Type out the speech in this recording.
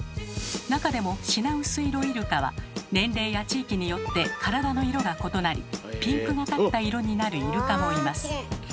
中でもシナウスイロイルカは年齢や地域によって体の色が異なりピンクがかった色になるイルカもいます。